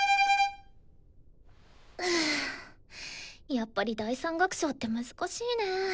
やっぱり第３楽章って難しいね。